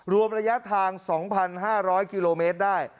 รวมระยะทาง๒๕๐๐กิโลเมตรได้